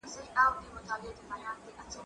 زه کولای سم سينه سپين وکړم!.